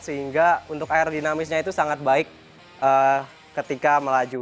sehingga untuk air dinamisnya itu sangat baik ketika melaju